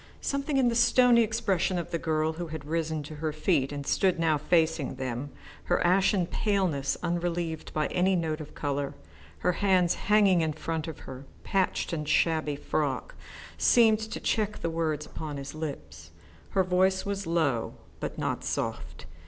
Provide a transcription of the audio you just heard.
Something in the stony expression of the girl who had risen to her feet and stood now facing them, her ashen paleness unrelieved by any note of colour, her hands hanging in front of her patched and shabby frock, seemed to check the words upon his lips. Her voice was low but not soft.